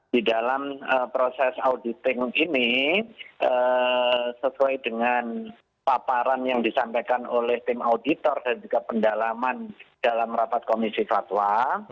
di dalam proses auditing ini sesuai dengan paparan yang disampaikan oleh tim auditor dan juga pendalaman dalam rapat komisi fatwa